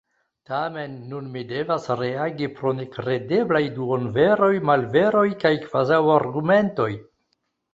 Tamen nun mi devas reagi pro nekredeblaj duonveroj, malveroj kaj kvazaŭargumentoj.